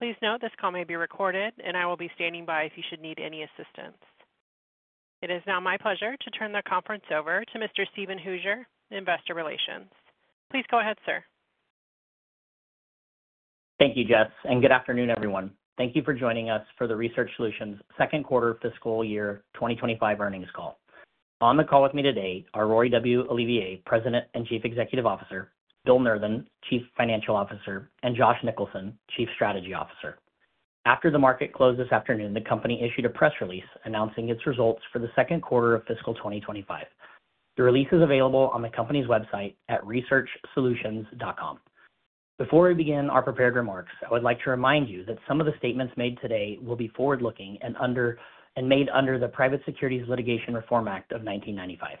Please note this call may be recorded, and I will be standing by if you should need any assistance. It is now my pleasure to turn the conference over to Mr. Steven Hooser, Investor Relations. Please go ahead, sir. Thank you, Jess. Good afternoon, everyone. Thank you for joining us for the Research Solutions second quarter fiscal year 2025 earnings call. On the call with me today are Roy W. Olivier, President and Chief Executive Officer; Bill Nurthen, Chief Financial Officer; and Josh Nicholson, Chief Strategy Officer. After the market closed this afternoon, the company issued a press release announcing its results for the second quarter of fiscal 2025. The release is available on the company's website at researchsolutions.com. Before we begin our prepared remarks, I would like to remind you that some of the statements made today will be forward-looking and made under the Private Securities Litigation Reform Act of 1995.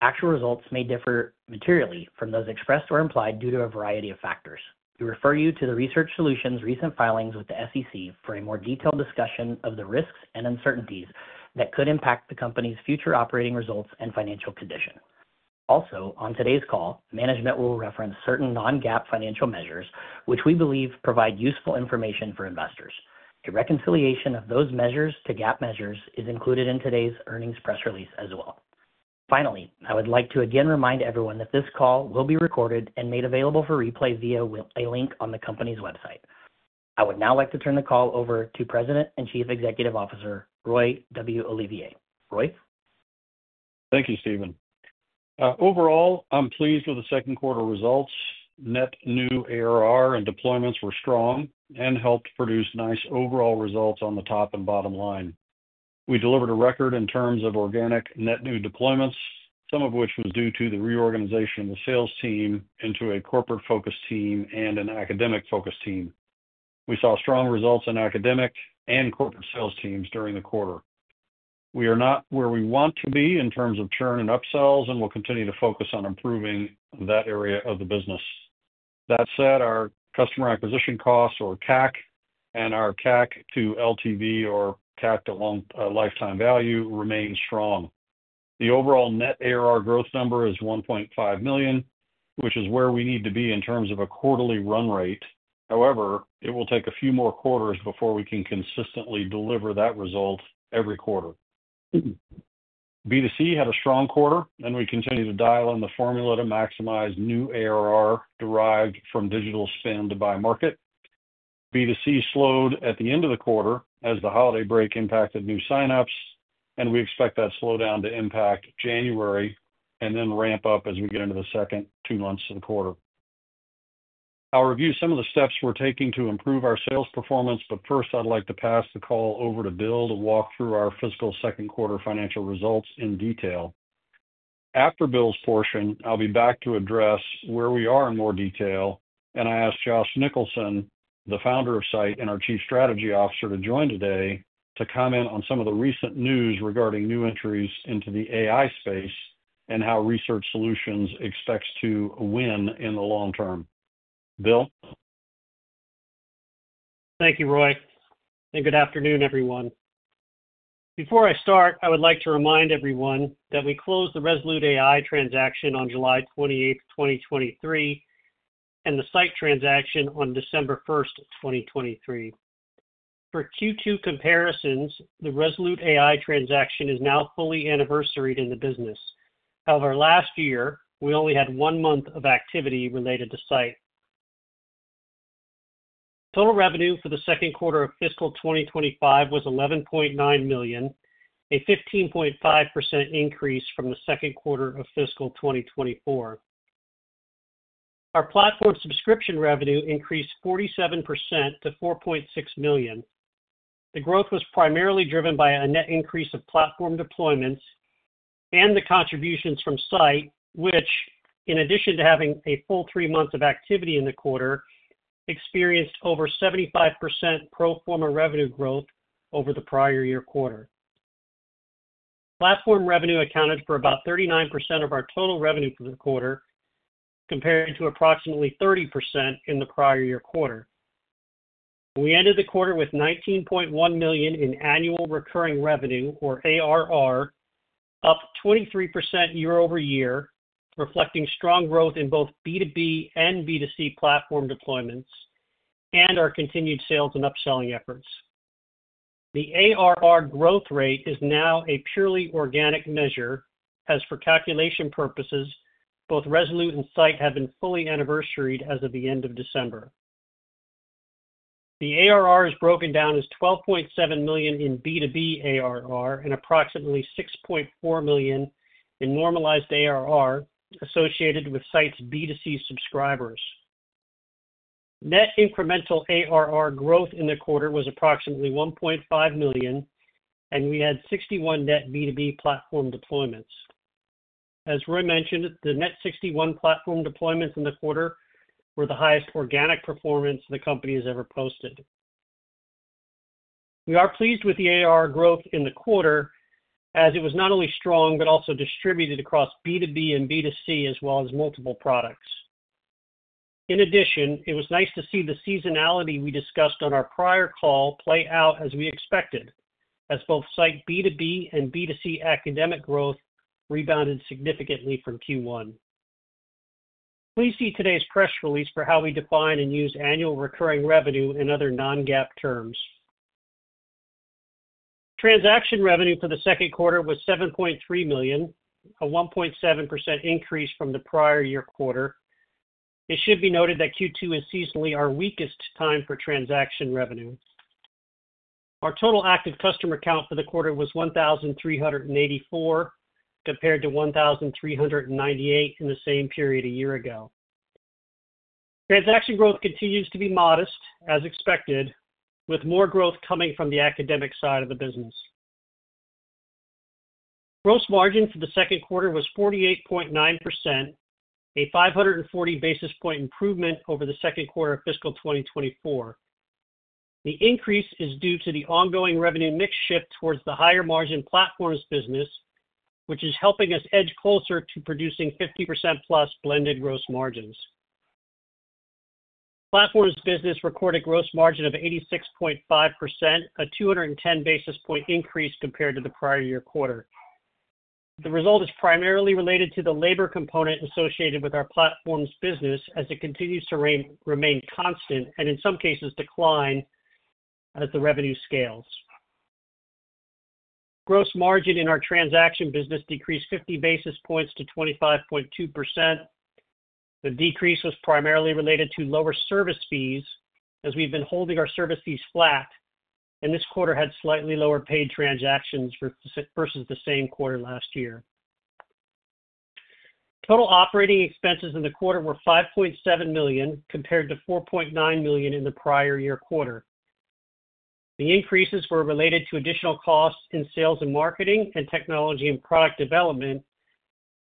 Actual results may differ materially from those expressed or implied due to a variety of factors. We refer you to Research Solutions' recent filings with the SEC for a more detailed discussion of the risks and uncertainties that could impact the company's future operating results and financial condition. Also, on today's call, management will reference certain non-GAAP financial measures, which we believe provide useful information for investors. A reconciliation of those measures to GAAP measures is included in today's earnings press release as well. Finally, I would like to again remind everyone that this call will be recorded and made available for replay via a link on the company's website. I would now like to turn the call over to President and Chief Executive Officer Roy W. Olivier. Roy? Thank you, Steven. Overall, I'm pleased with the second quarter results. Net new ARR and deployments were strong and helped produce nice overall results on the top and bottom line. We delivered a record in terms of organic net new deployments, some of which was due to the reorganization of the sales team into a corporate-focused team and an academic-focused team. We saw strong results in academic and corporate sales teams during the quarter. We are not where we want to be in terms of churn and upsells, and we'll continue to focus on improving that area of the business. That said, our customer acquisition costs, or CAC, and our CAC to LTV, or CAC to Lifetime Value, remain strong. The overall net ARR growth number is $1.5 million, which is where we need to be in terms of a quarterly run rate. However, it will take a few more quarters before we can consistently deliver that result every quarter. B2C had a strong quarter, and we continue to dial in the formula to maximize new ARR derived from digital spend by market. B2C slowed at the end of the quarter as the holiday break impacted new signups, and we expect that slowdown to impact January and then ramp up as we get into the second two months of the quarter. I will review some of the steps we are taking to improve our sales performance, but first, I would like to pass the call over to Bill to walk through our fiscal second quarter financial results in detail. After Bill's portion, I'll be back to address where we are in more detail, and I ask Josh Nicholson, the founder of scite and our Chief Strategy Officer, to join today to comment on some of the recent news regarding new entries into the AI space and how Research Solutions expects to win in the long term. Bill? Thank you, Roy. Good afternoon, everyone. Before I start, I would like to remind everyone that we closed the ResoluteAI transaction on July 28, 2023, and the scite transaction on December 1, 2023. For Q2 comparisons, the ResoluteAI transaction is now fully anniversaried in the business. However, last year, we only had one month of activity related to scite. Total revenue for the second quarter of fiscal 2025 was $11.9 million, a 15.5% increase from the second quarter of fiscal 2024. Our platform subscription revenue increased 47% to $4.6 million. The growth was primarily driven by a net increase of platform deployments and the contributions from scite, which, in addition to having a full three months of activity in the quarter, experienced over 75% pro forma revenue growth over the prior year quarter. Platform revenue accounted for about 39% of our total revenue for the quarter, compared to approximately 30% in the prior year quarter. We ended the quarter with $19.1 million in annual recurring revenue, or ARR, up 23% year over year, reflecting strong growth in both B2B and B2C platform deployments and our continued sales and upselling efforts. The ARR growth rate is now a purely organic measure, as for calculation purposes, both Resolute and scite have been fully anniversaried as of the end of December. The ARR is broken down as $12.7 million in B2B ARR and approximately $6.4 million in normalized ARR associated with scite's B2C subscribers. Net incremental ARR growth in the quarter was approximately $1.5 million, and we had 61 net B2B platform deployments. As Roy mentioned, the net 61 platform deployments in the quarter were the highest organic performance the company has ever posted. We are pleased with the ARR growth in the quarter, as it was not only strong but also distributed across B2B and B2C, as well as multiple products. In addition, it was nice to see the seasonality we discussed on our prior call play out as we expected, as both scite B2B and B2C academic growth rebounded significantly from Q1. Please see today's press release for how we define and use annual recurring revenue in other non-GAAP terms. Transaction revenue for the second quarter was $7.3 million, a 1.7% increase from the prior year quarter. It should be noted that Q2 is seasonally our weakest time for transaction revenue. Our total active customer count for the quarter was 1,384, compared to 1,398 in the same period a year ago. Transaction growth continues to be modest, as expected, with more growth coming from the academic side of the business. Gross margin for the second quarter was 48.9%, a 540 basis point improvement over the second quarter of fiscal 2024. The increase is due to the ongoing revenue mix shift towards the higher margin platforms business, which is helping us edge closer to producing 50% plus blended gross margins. Platforms business recorded gross margin of 86.5%, a 210 basis point increase compared to the prior year quarter. The result is primarily related to the labor component associated with our platforms business, as it continues to remain constant and, in some cases, decline as the revenue scales. Gross margin in our transaction business decreased 50 basis points to 25.2%. The decrease was primarily related to lower service fees, as we've been holding our service fees flat, and this quarter had slightly lower paid transactions versus the same quarter last year. Total operating expenses in the quarter were $5.7 million, compared to $4.9 million in the prior year quarter. The increases were related to additional costs in sales and marketing and technology and product development,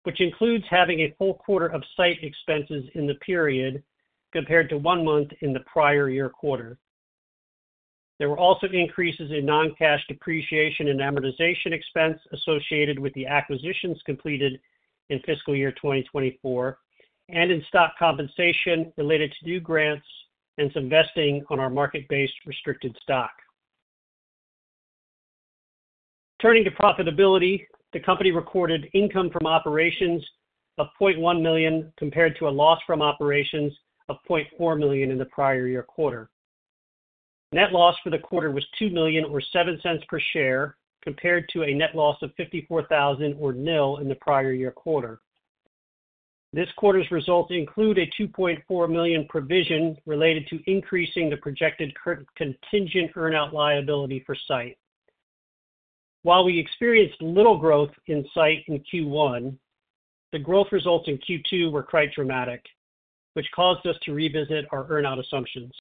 which includes having a full quarter of scite expenses in the period compared to one month in the prior year quarter. There were also increases in non-cash depreciation and amortization expense associated with the acquisitions completed in fiscal year 2024 and in stock compensation related to new grants and some vesting on our market-based restricted stock. Turning to profitability, the company recorded income from operations of $0.1 million compared to a loss from operations of $0.4 million in the prior year quarter. Net loss for the quarter was $2 million, or $0.07 per share, compared to a net loss of $54,000, or nil, in the prior year quarter. This quarter's results include a $2.4 million provision related to increasing the projected contingent earn-out liability for scite. While we experienced little growth in scite in Q1, the growth results in Q2 were quite dramatic, which caused us to revisit our earn-out assumptions.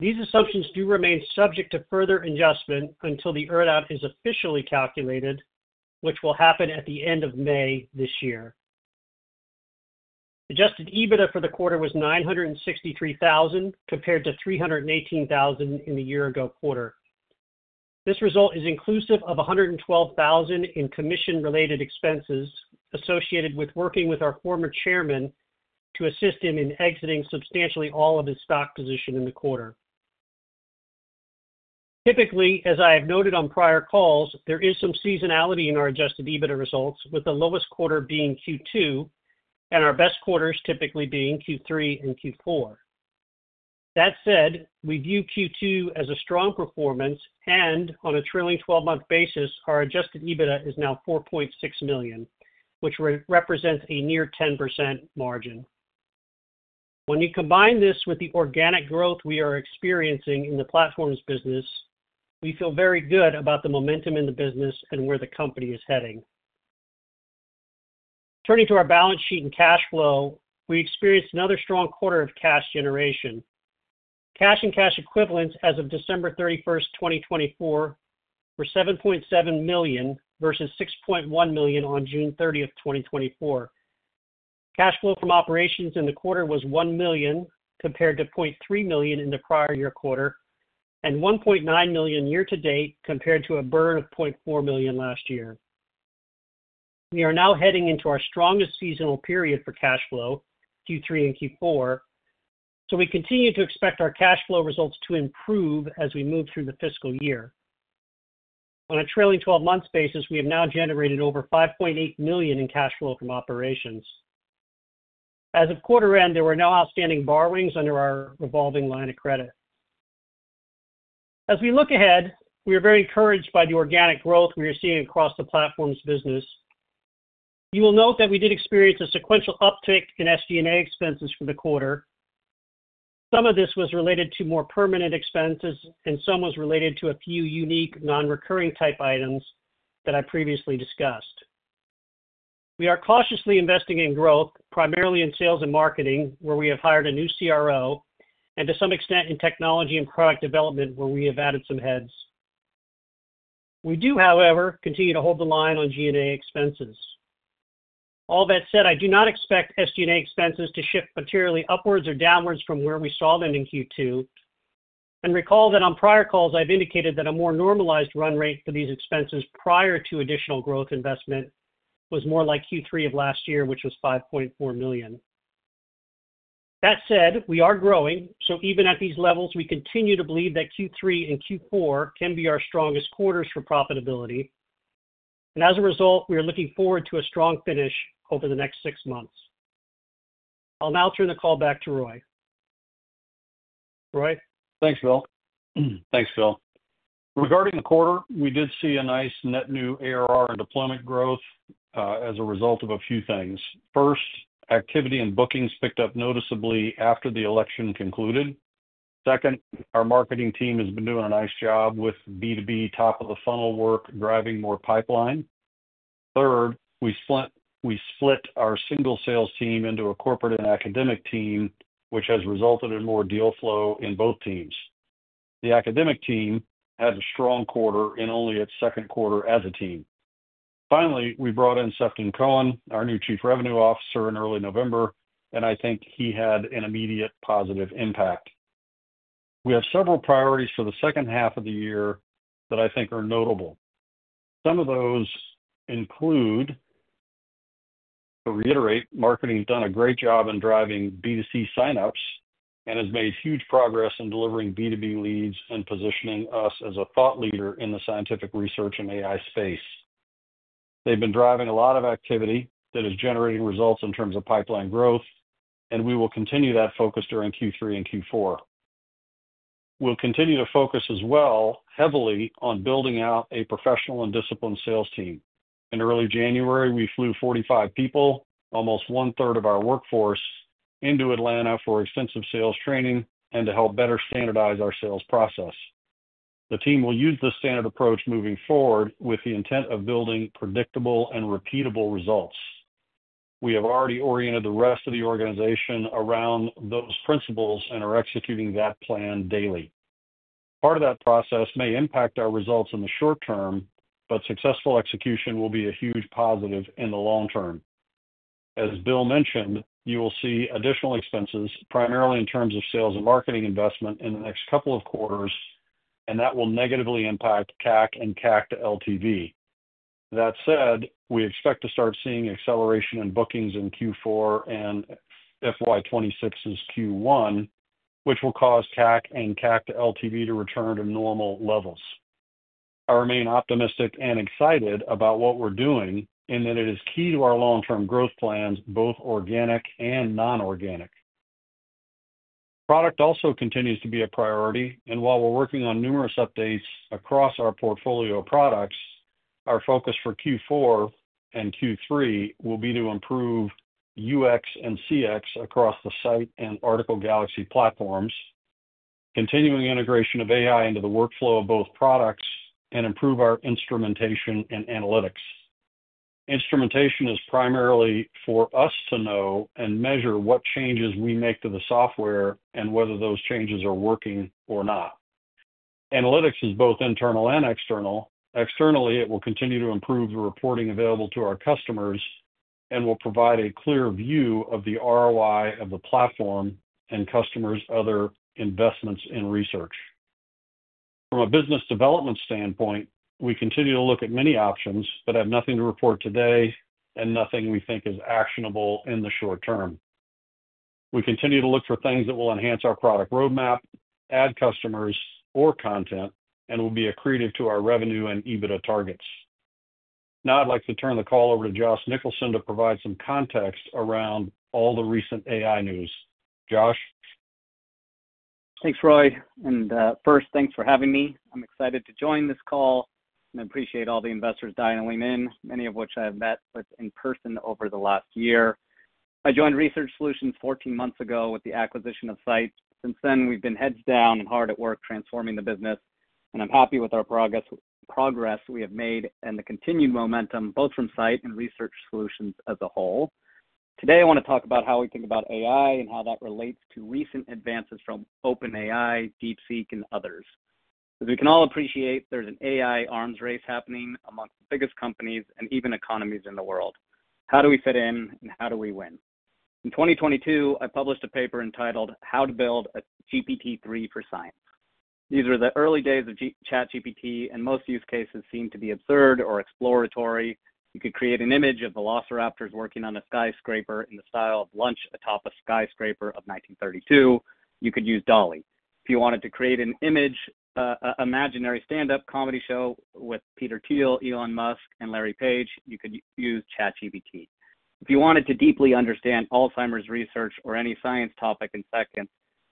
These assumptions do remain subject to further adjustment until the earn-out is officially calculated, which will happen at the end of May this year. Adjusted EBITDA for the quarter was $963,000, compared to $318,000 in the year-ago quarter. This result is inclusive of $112,000 in commission-related expenses associated with working with our former chairman to assist him in exiting substantially all of his stock position in the quarter. Typically, as I have noted on prior calls, there is some seasonality in our adjusted EBITDA results, with the lowest quarter being Q2 and our best quarters typically being Q3 and Q4. That said, we view Q2 as a strong performance, and on a trailing 12-month basis, our adjusted EBITDA is now $4.6 million, which represents a near 10% margin. When you combine this with the organic growth we are experiencing in the platforms business, we feel very good about the momentum in the business and where the company is heading. Turning to our balance sheet and cash flow, we experienced another strong quarter of cash generation. Cash and cash equivalents as of December 31, 2024, were $7.7 million versus $6.1 million on June 30, 2024. Cash flow from operations in the quarter was $1 million, compared to $0.3 million in the prior year quarter, and $1.9 million year to date, compared to a burn of $0.4 million last year. We are now heading into our strongest seasonal period for cash flow, Q3 and Q4, so we continue to expect our cash flow results to improve as we move through the fiscal year. On a trailing 12-month basis, we have now generated over $5.8 million in cash flow from operations. As of quarter end, there were no outstanding borrowings under our revolving line of credit. As we look ahead, we are very encouraged by the organic growth we are seeing across the platforms business. You will note that we did experience a sequential uptick in SG&A expenses for the quarter. Some of this was related to more permanent expenses, and some was related to a few unique non-recurring type items that I previously discussed. We are cautiously investing in growth, primarily in sales and marketing, where we have hired a new CRO, and to some extent in technology and product development, where we have added some heads. We do, however, continue to hold the line on G&A expenses. All that said, I do not expect SG&A expenses to shift materially upwards or downwards from where we saw them in Q2. Recall that on prior calls, I've indicated that a more normalized run rate for these expenses prior to additional growth investment was more like Q3 of last year, which was $5.4 million. That said, we are growing, so even at these levels, we continue to believe that Q3 and Q4 can be our strongest quarters for profitability. As a result, we are looking forward to a strong finish over the next six months. I'll now turn the call back to Roy. Roy. Thanks, Bill. Regarding the quarter, we did see a nice net new ARR and deployment growth as a result of a few things. First, activity and bookings picked up noticeably after the election concluded. Second, our marketing team has been doing a nice job with B2B top-of-the-funnel work, driving more pipeline. Third, we split our single sales team into a corporate and academic team, which has resulted in more deal flow in both teams. The academic team had a strong quarter in only its second quarter as a team. Finally, we brought in Sefton Cohen, our new Chief Revenue Officer, in early November, and I think he had an immediate positive impact. We have several priorities for the second half of the year that I think are notable. Some of those include, to reiterate, marketing has done a great job in driving B2C sign-ups and has made huge progress in delivering B2B leads and positioning us as a thought leader in the scientific research and AI space. They've been driving a lot of activity that is generating results in terms of pipeline growth, and we will continue that focus during Q3 and Q4. We'll continue to focus as well heavily on building out a professional and disciplined sales team. In early January, we flew 45 people, almost one-third of our workforce, into Atlanta for extensive sales training and to help better standardize our sales process. The team will use this standard approach moving forward with the intent of building predictable and repeatable results. We have already oriented the rest of the organization around those principles and are executing that plan daily. Part of that process may impact our results in the short term, but successful execution will be a huge positive in the long term. As Bill mentioned, you will see additional expenses, primarily in terms of sales and marketing investment, in the next couple of quarters, and that will negatively impact CAC and CAC to LTV. That said, we expect to start seeing acceleration in bookings in Q4 and FY2026's Q1, which will cause CAC and CAC to LTV to return to normal levels. I remain optimistic and excited about what we're doing in that it is key to our long-term growth plans, both organic and non-organic. Product also continues to be a priority, and while we're working on numerous updates across our portfolio of products, our focus for Q4 and Q3 will be to improve UX and CX across the scite and Article Galaxy platforms, continuing integration of AI into the workflow of both products, and improve our instrumentation and analytics. Instrumentation is primarily for us to know and measure what changes we make to the software and whether those changes are working or not. Analytics is both internal and external. Externally, it will continue to improve the reporting available to our customers and will provide a clear view of the ROI of the platform and customers' other investments in research. From a business development standpoint, we continue to look at many options but have nothing to report today and nothing we think is actionable in the short term. We continue to look for things that will enhance our product roadmap, add customers, or content, and will be accretive to our revenue and EBITDA targets. Now, I'd like to turn the call over to Josh Nicholson to provide some context around all the recent AI news. Josh. Thanks, Roy. First, thanks for having me. I'm excited to join this call and appreciate all the investors dialing in, many of which I have met with in person over the last year. I joined Research Solutions 14 months ago with the acquisition of scite. Since then, we've been heads down and hard at work transforming the business, and I'm happy with our progress we have made and the continued momentum, both from scite and Research Solutions as a whole. Today, I want to talk about how we think about AI and how that relates to recent advances from OpenAI, DeepSeek, and others. As we can all appreciate, there's an AI arms race happening amongst the biggest companies and even economies in the world. How do we fit in, and how do we win? In 2022, I published a paper entitled, "How to Build a GPT-3 for Science." These were the early days of ChatGPT, and most use cases seemed to be absurd or exploratory. You could create an image of Velociraptors working on a skyscraper in the style of "Lunch Atop a Skyscraper" of 1932. You could use DALL-E. If you wanted to create an image, an imaginary stand-up comedy show with Peter Thiel, Elon Musk, and Larry Page, you could use ChatGPT. If you wanted to deeply understand Alzheimer's research or any science topic in seconds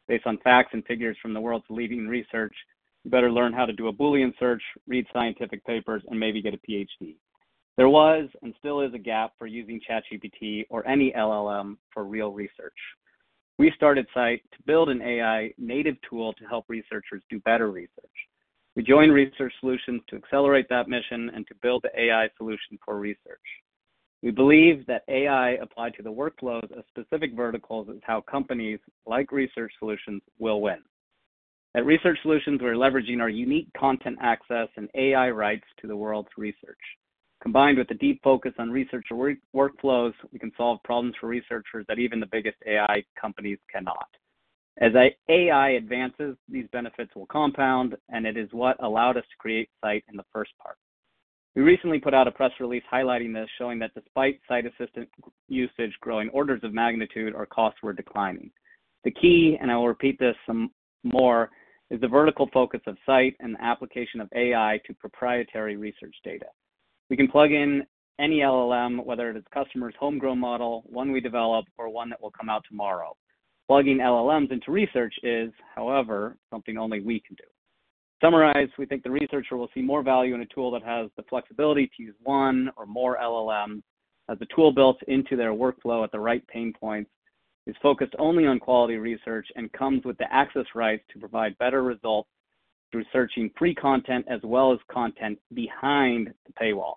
based on facts and figures from the world's leading research, you better learn how to do a Boolean search, read scientific papers, and maybe get a PhD. There was and still is a gap for using ChatGPT or any LLM for real research. We started scite to build an AI-native tool to help researchers do better research. We joined Research Solutions to accelerate that mission and to build the AI solution for research. We believe that AI applied to the workflows of specific verticals is how companies like Research Solutions will win. At Research Solutions, we're leveraging our unique content access and AI rights to the world's research. Combined with a deep focus on research workflows, we can solve problems for researchers that even the biggest AI companies cannot. As AI advances, these benefits will compound, and it is what allowed us to create scite in the first part. We recently put out a press release highlighting this, showing that despite scite assistant usage growing orders of magnitude, our costs were declining. The key, and I will repeat this some more, is the vertical focus of scite and the application of AI to proprietary research data. We can plug in any LLM, whether it is customers' homegrown model, one we develop, or one that will come out tomorrow. Plugging LLMs into research is, however, something only we can do. To summarize, we think the researcher will see more value in a tool that has the flexibility to use one or more LLMs, has the tool built into their workflow at the right pain points, is focused only on quality research, and comes with the access rights to provide better results through searching free content as well as content behind the paywall.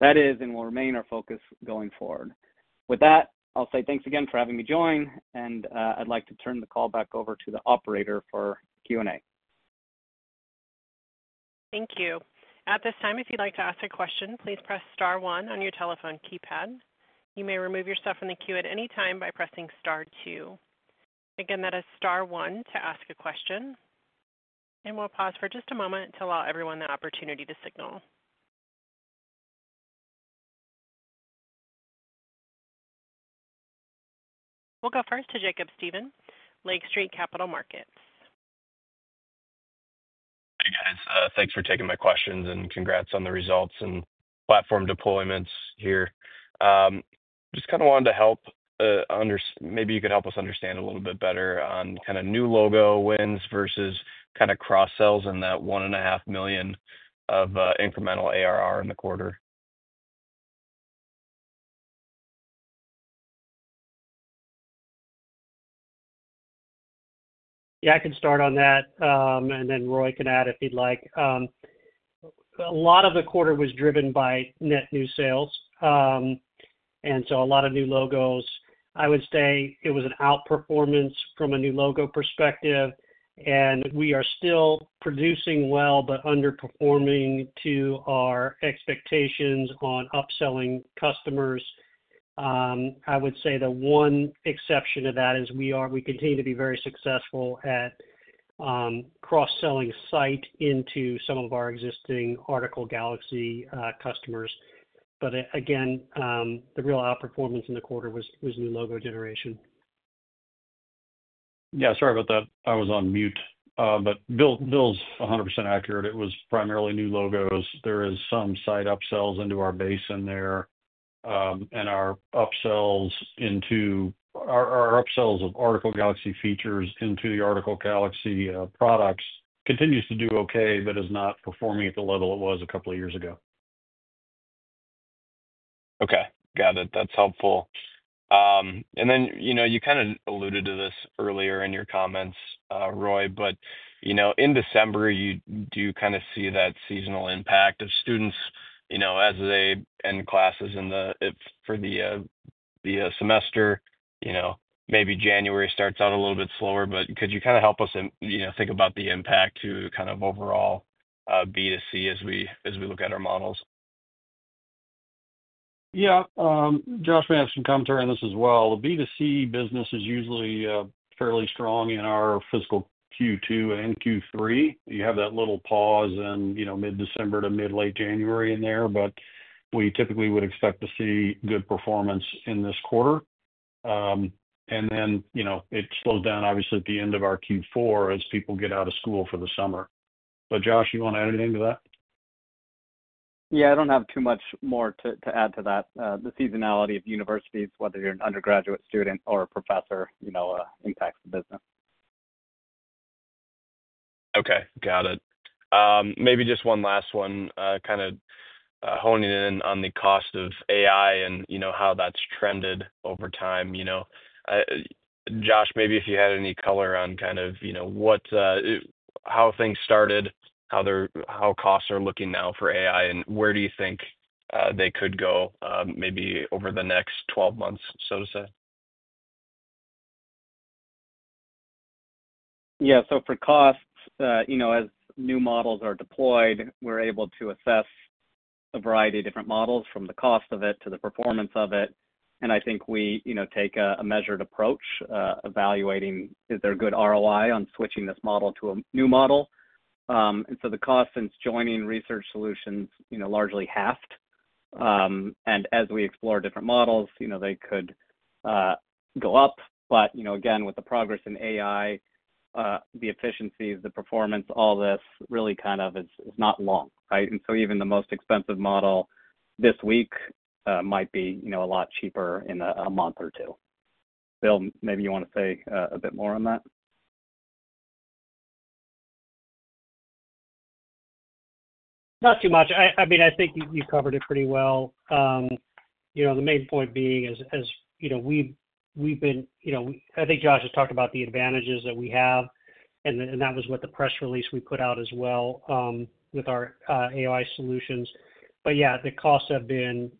That is and will remain our focus going forward. With that, I'll say thanks again for having me join, and I'd like to turn the call back over to the operator for Q&A. Thank you. At this time, if you'd like to ask a question, please press Star 1 on your telephone keypad. You may remove yourself from the queue at any time by pressing Star 2. Again, that is Star 1 to ask a question. We'll pause for just a moment to allow everyone the opportunity to signal. We'll go first to Jacob Stephan, Lake Street Capital Markets. Hey, guys. Thanks for taking my questions and congrats on the results and platform deployments here. Just kind of wanted to help understand, maybe you could help us understand a little bit better on kind of new logo wins versus kind of cross-sells and that $1.5 million of incremental ARR in the quarter. Yeah, I can start on that, and then Roy can add if he'd like. A lot of the quarter was driven by net new sales, and so a lot of new logos. I would say it was an outperformance from a new logo perspective, and we are still producing well but underperforming to our expectations on upselling customers. I would say the one exception to that is we continue to be very successful at cross-selling scite into some of our existing Article Galaxy customers. Again, the real outperformance in the quarter was new logo generation. Yeah, sorry about that. I was on mute, but Bill's 100% accurate. It was primarily new logos. There is some scite upsells into our base in there, and our upsells of Article Galaxy features into the Article Galaxy products continues to do okay but is not performing at the level it was a couple of years ago. Okay. Got it. That's helpful. You kind of alluded to this earlier in your comments, Roy, but in December, you do kind of see that seasonal impact of students as they end classes for the semester. Maybe January starts out a little bit slower, but could you kind of help us think about the impact to overall B2C as we look at our models? Yeah. Josh may have some commentary on this as well. The B2C business is usually fairly strong in our fiscal Q2 and Q3. You have that little pause in mid-December to mid-late January in there, but we typically would expect to see good performance in this quarter. It slows down, obviously, at the end of our Q4 as people get out of school for the summer. Josh, you want to add anything to that? Yeah, I do not have too much more to add to that. The seasonality of universities, whether you are an undergraduate student or a professor, impacts the business. Okay. Got it. Maybe just one last one, kind of honing in on the cost of AI and how that's trended over time. Josh, maybe if you had any color on kind of how things started, how costs are looking now for AI, and where do you think they could go maybe over the next 12 months, so to say? Yeah. For costs, as new models are deployed, we're able to assess a variety of different models from the cost of it to the performance of it. I think we take a measured approach, evaluating is there good ROI on switching this model to a new model. The cost since joining Research Solutions largely halved. As we explore different models, they could go up. Again, with the progress in AI, the efficiencies, the performance, all this really kind of is not long, right? Even the most expensive model this week might be a lot cheaper in a month or two. Bill, maybe you want to say a bit more on that? Not too much. I mean, I think you covered it pretty well. The main point being is we've been—I think Josh has talked about the advantages that we have, and that was what the press release we put out as well with our AI solutions. Yeah, the costs have been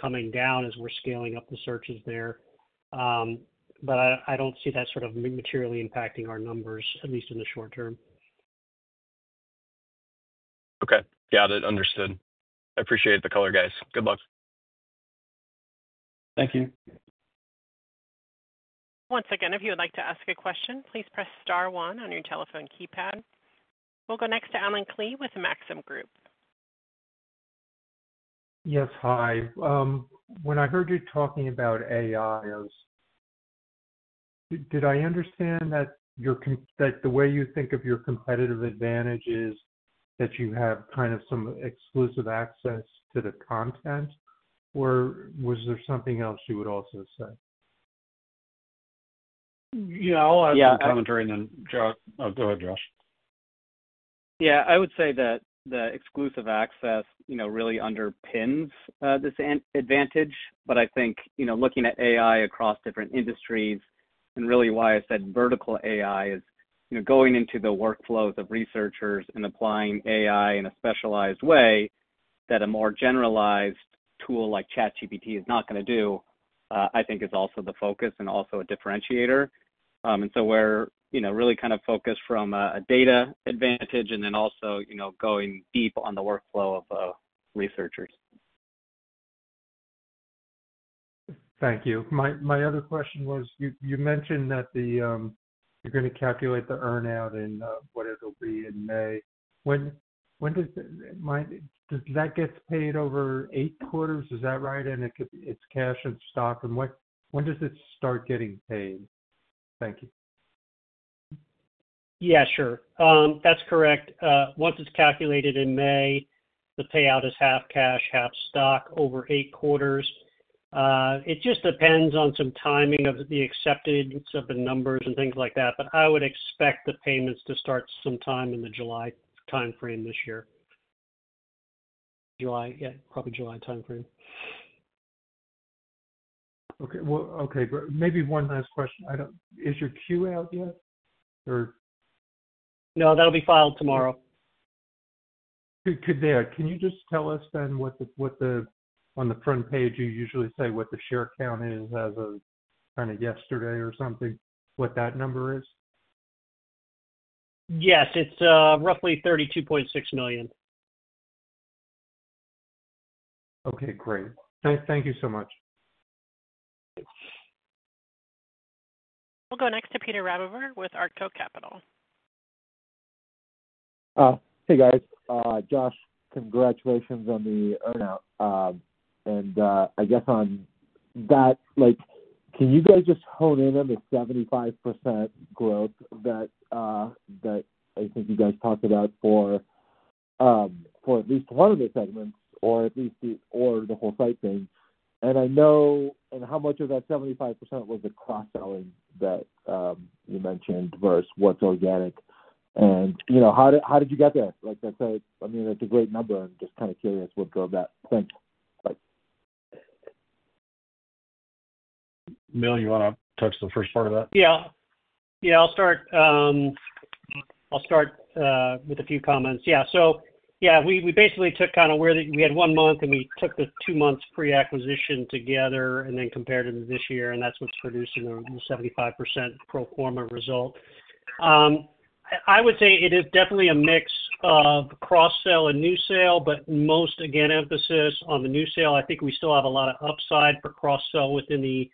coming down as we're scaling up the searches there. I don't see that sort of materially impacting our numbers, at least in the short term. Okay. Got it. Understood. Appreciate the color, guys. Good luck. Thank you. Once again, if you would like to ask a question, please press Star 1 on your telephone keypad. We'll go next to Allen Klee with Maxim Group. Yes, hi. When I heard you talking about AI, did I understand that the way you think of your competitive advantage is that you have kind of some exclusive access to the content, or was there something else you would also say? Yeah, I'll add some commentary. Then Josh, go ahead, Josh. Yeah. I would say that the exclusive access really underpins this advantage. I think looking at AI across different industries and really why I said vertical AI is going into the workflows of researchers and applying AI in a specialized way that a more generalized tool like ChatGPT is not going to do, I think, is also the focus and also a differentiator. We are really kind of focused from a data advantage and then also going deep on the workflow of researchers. Thank you. My other question was you mentioned that you're going to calculate the earnout and what it'll be in May. Does that get paid over eight quarters? Is that right? It's cash and stock. When does it start getting paid? Thank you. Yeah, sure. That's correct. Once it's calculated in May, the payout is half cash, half stock over eight quarters. It just depends on some timing of the acceptance of the numbers and things like that. I would expect the payments to start sometime in the July timeframe this year. July, yeah, probably July timeframe. Okay. Maybe one last question. Is your queue out yet? Or? No, that'll be filed tomorrow. Could they—can you just tell us then what the—on the front page, you usually say what the share count is as of kind of yesterday or something, what that number is? Yes. It's roughly $32.6 million. Okay. Great. Thank you so much. We'll go next to Peter Rabover with Artko Capital. Hey, guys. Josh, congratulations on the earnout. I guess on that, can you guys just hone in on the 75% growth that I think you guys talked about for at least one of the segments or the whole scite thing? I know how much of that 75% was the cross-selling that you mentioned versus what's organic. How did you get there? I mean, that's a great number. I'm just kind of curious what drove that. Thanks. Bill, you want to touch the first part of that? Yeah. Yeah, I'll start with a few comments. Yeah. We basically took kind of where we had one month, and we took the two months pre-acquisition together and then compared them to this year, and that's what's producing the 75% pro forma result. I would say it is definitely a mix of cross-sell and new sale, but most, again, emphasis on the new sale. I think we still have a lot of upside for cross-sell within the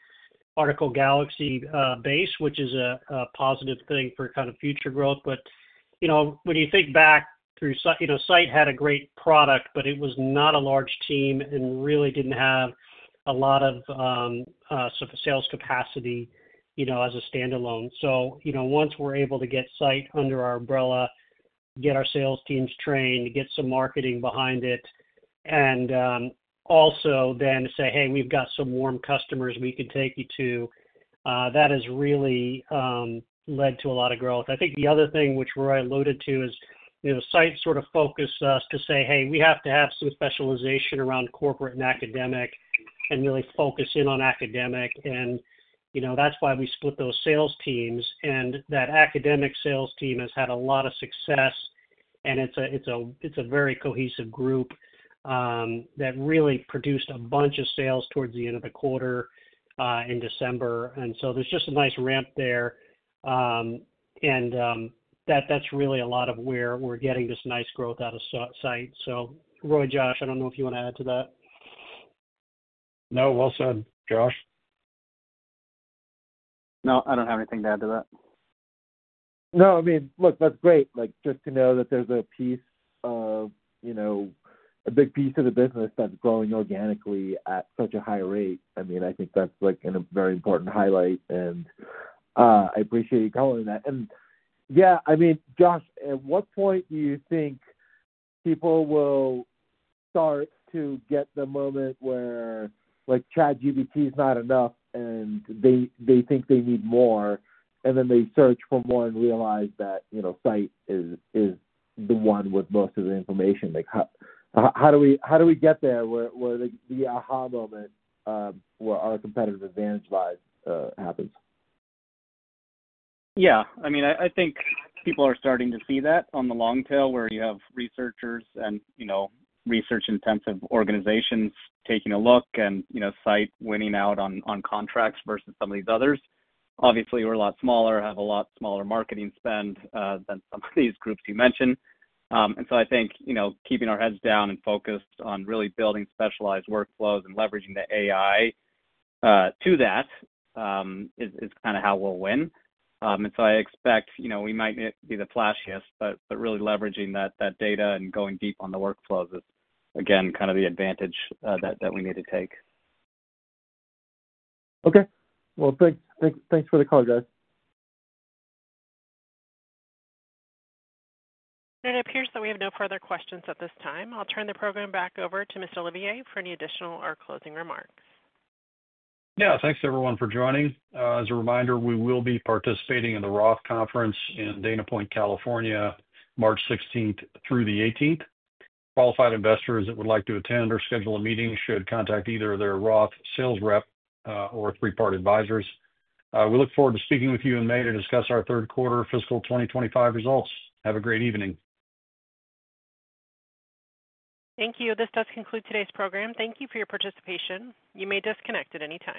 Article Galaxy base, which is a positive thing for kind of future growth. When you think back through scite, scite had a great product, but it was not a large team and really didn't have a lot of sales capacity as a standalone. Once we're able to get scite under our umbrella, get our sales teams trained, get some marketing behind it, and also then say, "Hey, we've got some warm customers we can take you to," that has really led to a lot of growth. I think the other thing which Roy alluded to is scite sort of focused us to say, "Hey, we have to have some specialization around corporate and academic and really focus in on academic." That is why we split those sales teams. That academic sales team has had a lot of success, and it's a very cohesive group that really produced a bunch of sales towards the end of the quarter in December. There is just a nice ramp there. That is really a lot of where we're getting this nice growth out of scite. Roy, Josh, I don't know if you want to add to that. No. Well said, Josh. No, I don't have anything to add to that. No, I mean, look, that's great. Just to know that there's a piece of a big piece of the business that's growing organically at such a high rate. I mean, I think that's a very important highlight, and I appreciate you calling that. Yeah, I mean, Josh, at what point do you think people will start to get the moment where ChatGPT is not enough and they think they need more, and then they search for more and realize that scite is the one with most of the information? How do we get there where the aha moment where our competitive advantage lies happens? Yeah. I mean, I think people are starting to see that on the long tail where you have researchers and research-intensive organizations taking a look and scite winning out on contracts versus some of these others. Obviously, we're a lot smaller, have a lot smaller marketing spend than some of these groups you mentioned. I think keeping our heads down and focused on really building specialized workflows and leveraging the AI to that is kind of how we'll win. I expect we might be the flashiest, but really leveraging that data and going deep on the workflows is, again, kind of the advantage that we need to take. Okay. Thanks. Thanks for the color, guys. It appears that we have no further questions at this time. I'll turn the program back over to Mr. Olivier for any additional or closing remarks. Yeah. Thanks, everyone, for joining. As a reminder, we will be participating in the Roth Conference in Dana Point, California, March 16 through 18. Qualified investors that would like to attend or schedule a meeting should contact either their Roth sales rep or Three Part Advisors. We look forward to speaking with you in May to discuss our third quarter fiscal 2025 results. Have a great evening. Thank you. This does conclude today's program. Thank you for your participation. You may disconnect at any time.